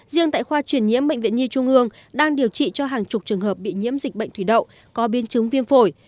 riêng tại khoa chuyển nhiễm bệnh viện nhi trung ương đang điều trị cho hàng chục trường hợp bị nhiễm dịch bệnh thủy đậu có biến chứng viêm phổi